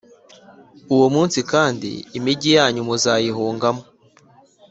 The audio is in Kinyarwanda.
Uwo munsi kandi, imigi yanyu muzayihungamo,